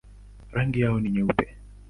Rangi yao ni nyeupe.